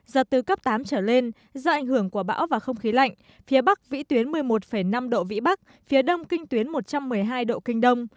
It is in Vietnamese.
giật từ cấp tám trở lên do ảnh hưởng của bão và không khí lạnh phía bắc vĩ tuyến một mươi một năm độ vĩ bắc phía đông kinh tuyến một trăm một mươi hai độ kinh đông